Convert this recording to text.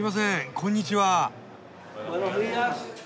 こんにちは。